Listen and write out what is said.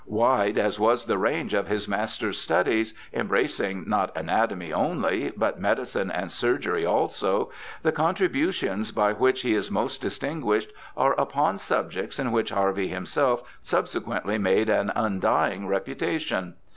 Wide as was the range of his master's studies, embracing not anatomy only, but medicine and surgery also, the contributions by which he is most distinguished are upon subjects in which Har\'ey himself subsequently made an undying reputa tion.